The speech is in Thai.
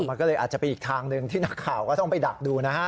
มันก็เลยอาจจะเป็นอีกทางหนึ่งที่นักข่าวก็ต้องไปดักดูนะฮะ